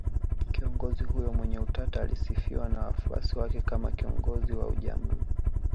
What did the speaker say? Kiongozi huyo mwenye utata alisifiwa na wafuasi wake kama kiongozi wa ujamaa